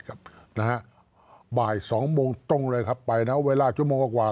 บ่าย๒โมงตรงเลยครับไปนะเวลาชั่วโมงกว่า